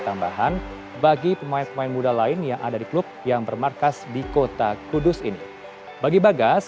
tambahan bagi pemain pemain muda lain yang ada di klub yang bermarkas di kota kudus ini bagi bagas